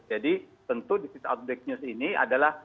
jadi tentu disease outbreak news ini adalah